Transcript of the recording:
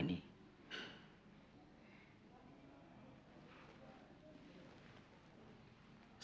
bapak tidak mengani